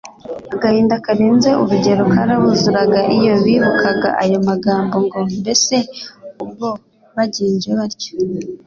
Agahinda karenze urugero karabuzuraga iyo bibukaga ayo magambo ngo " mbese ubwo bagenje batyo